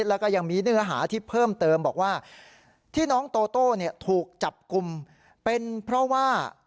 แล้วก็ยังมีเนื้อหาที่เพิ่มเติมบอกว่าที่น้องโตโต้ถูกจับกลุ่มเป็นเพราะว่า